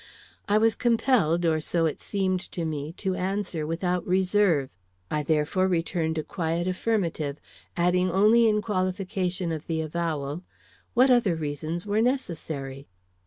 I was compelled, or so it seemed to me, to answer without reserve. I therefore returned a quiet affirmative, adding only in qualification of the avowal, "What other reasons were necessary?"